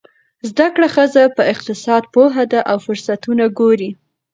زده کړه ښځه په اقتصاد پوهه ده او فرصتونه ګوري.